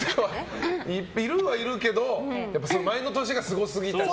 いるはいるけど前の年がすごすぎた。